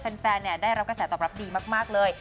แฟนได้รับกระแสตอบรับดีมากเลย